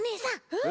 うん！